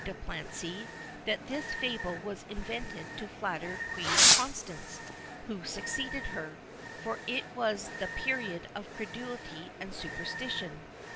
de Plancy, that this fable was invented to flatter Queen Constance, who succeeded her, for it was the period of credulity and superstition.